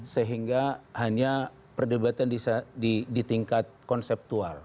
sehingga hanya perdebatan di tingkat konseptual